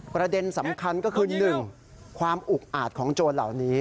ประเด็นสำคัญก็คือ๑ความอุกอาจของโจรเหล่านี้